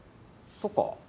そっか。